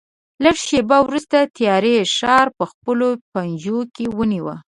لږ شېبه وروسته تیارې ښار په خپلو پنجو کې ونیو.